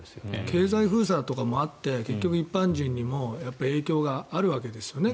経済封鎖とかもあって結局、一般市民にも影響があるわけですよね。